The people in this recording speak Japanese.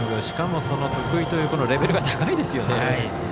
しかも、得意というレベルが高いですよね。